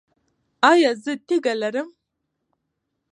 ایا زه تیږه لرم؟